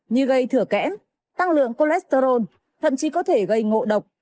như gây thửa kẽm tăng lượng cholesterol thậm chí có thể gây ngộ độc